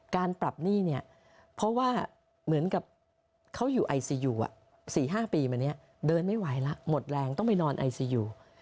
การปรับหนี้เนี่ยเพราะว่าเหมือนกับเขาอยู่ไอซียู๔๕ปีมาเนี่ยเดินไม่ไหวแล้วหมดแรงต้องไปนอนไอซียู